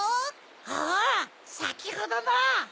おぉさきほどの！